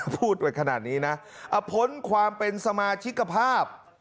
พูดไปขนาดนี้นะพ้นความเป็นสมาชิกภาพ